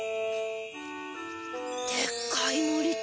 でっかい森と。